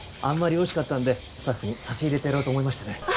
あんまりおいしかったんでスタッフに差し入れてやろうと思いましてね。